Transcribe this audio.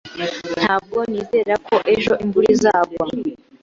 Ntabwo nizera ko ejo imvura izagwa.